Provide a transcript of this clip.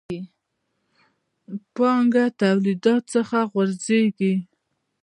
پانګه توليديت څخه غورځېږي.